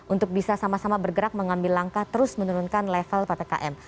untuk bisa sama sama bergerak mengambil langkah terus menurunkan level ppkm